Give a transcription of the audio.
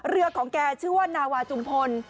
เรือของแกชื่อว่านาวาจุมพล